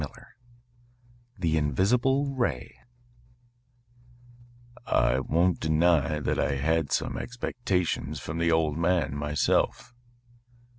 XI THE INVISIBLE RAY "I won't deny that I had some expectations from the old man myself."